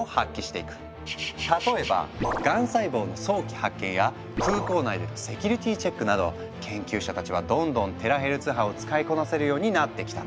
例えばがん細胞の早期発見や空港内でのセキュリティチェックなど研究者たちはどんどんテラヘルツ波を使いこなせるようになってきたんだ。